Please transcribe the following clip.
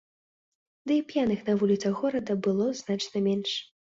Ды і п'яных на вуліцах горада было значна менш.